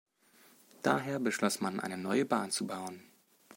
Daher beschloss man, eine neue Bahn zu bauen.